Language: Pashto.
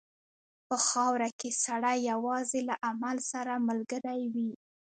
په خاوره کې سړی یوازې له عمل سره ملګری وي.